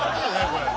これ。